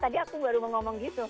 tadi aku baru mau ngomong gitu